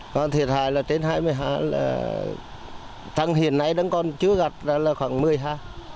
còn thiệt hại là trên hai mươi ha thằng hiện nay đang còn chưa gặp là khoảng một mươi ha